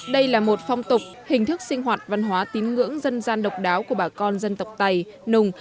đây là một phong tục hình thức sinh hoạt văn hóa tín ngưỡng dân gian độc đáo của bà con dân tộc tây nùng